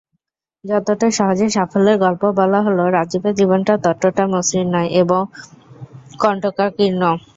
যতটা সহজে সাফল্যের গল্প বলা হলো, রাজীবের জীবনটা ততটা মসৃণ নয়, বরং কণ্টকাকীর্ণ।